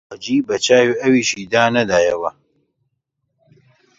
حاجی بە چاوی ئەویشیدا نەدایەوە